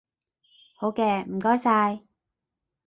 好嘅，唔該晒